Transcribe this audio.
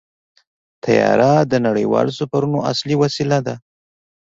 طیاره د نړیوالو سفرونو اصلي وسیله ده.